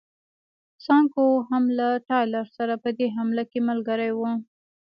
سانکو هم له ټایلر سره په دې حمله کې ملګری و.